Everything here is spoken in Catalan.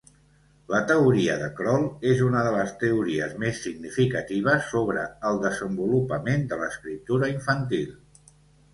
La teoria de Kroll és una de les teories més significatives sobre el desenvolupament de l'escriptura infantil.